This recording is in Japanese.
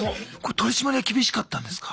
取り締まりは厳しかったんですか？